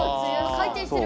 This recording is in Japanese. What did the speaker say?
回転してる。